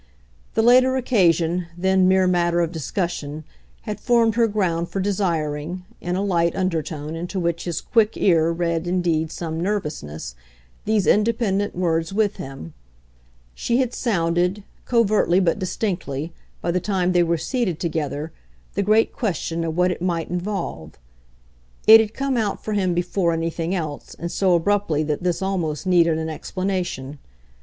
The later occasion, then mere matter of discussion, had formed her ground for desiring in a light undertone into which his quick ear read indeed some nervousness these independent words with him: she had sounded, covertly but distinctly, by the time they were seated together, the great question of what it might involve. It had come out for him before anything else, and so abruptly that this almost needed an explanation.